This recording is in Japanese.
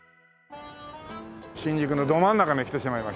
新宿のど真ん中に来てしまいました。